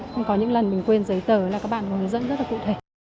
không có những lần mình quên giấy tờ là các bạn hướng dẫn rất là cụ thể